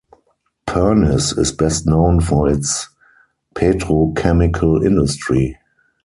Pernis is best known for its petrochemical industry.